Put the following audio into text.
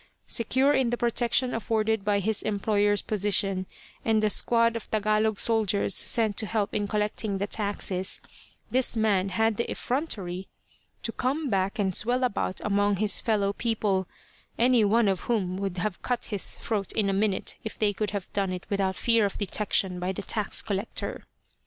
Secure in the protection afforded by his employer's position, and the squad of Tagalog soldiers sent to help in collecting the taxes, this man had the effrontery to come back and swell about among his fellow people, any one of whom would have cut his throat in a minute if they could have done it without fear of detection by the tax collector.